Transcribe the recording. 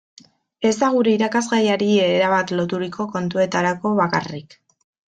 Ez da gure irakasgaiari erabat loturiko kontuetarako bakarrik.